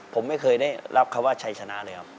ผมไม่เคยได้รับคำว่าชัยชนะเลยครับ